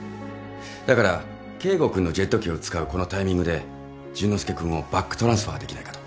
だから圭吾君のジェット機を使うこのタイミングで淳之介君をバックトランスファーできないかと。